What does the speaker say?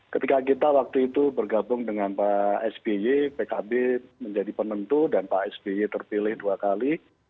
ketika kita waktu itu bergabung dengan pak sby pkb menjadi penentu dan pak sby terpilih dua kali